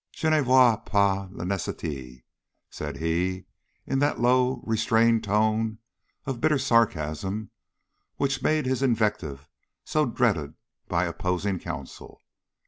"Je ne vois pas la necessité," said he, in that low, restrained tone of bitter sarcasm which made his invective so dreaded by opposing counsel.